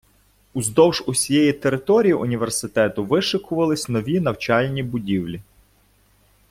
Уздовж усієї території університету вишикувались нові навчальні будівлі.